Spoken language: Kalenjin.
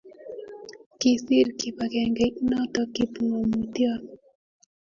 kisir kibagengeit noto kipngomutyot